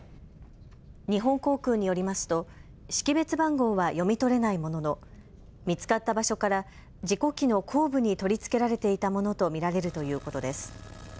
日本航空によりますと識別番号は読み取れないものの見つかった場所から事故機の後部に取り付けられていたものと見られるということです。